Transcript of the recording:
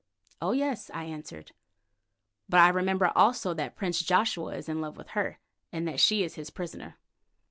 "Oh, yes," I answered, "but I remember also that Prince Joshua is in love with her, and that she is his prisoner."